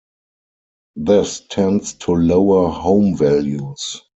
This tends to lower home values.